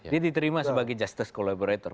dia diterima sebagai justice collaborator